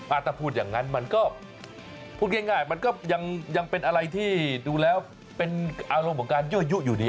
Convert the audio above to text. ถ้าพูดอย่างนั้นมันก็พูดง่ายมันก็ยังเป็นอะไรที่ดูแล้วเป็นอารมณ์ของการยั่วยุอยู่ดี